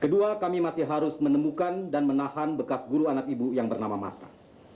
kedua kami masih harus menemukan dan menahan bekas guru anak ibu yang bernama mata